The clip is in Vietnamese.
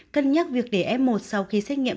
cân nhắc việc để f một sau khi xét nghiệm